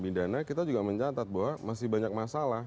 pidana kita juga mencatat bahwa masih banyak masalah